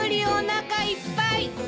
おなかいっぱい。